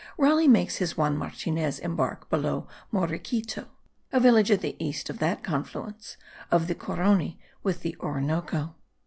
Raleigh makes his Juan Martinez embark below Morequito, a village at the east of that confluence of the Carony with the Orinoco.